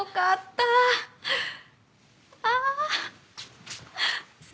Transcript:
ああ！